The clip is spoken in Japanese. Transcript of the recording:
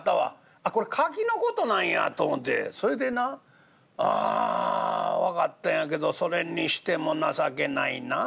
あっこれ柿の事なんやと思てそれでなあ分かったんやけどそれにしても情けないなあ。